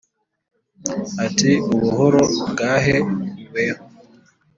ati"ubuhoro bwahe niweho